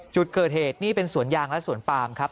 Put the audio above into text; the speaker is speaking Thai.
จุดเกิดเหตุนี่เป็นสวนยางและสวนปามครับ